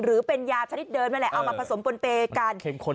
หรือเป็นยาชนิดเดิมนั่นแหละเอามาผสมปนเปย์กัน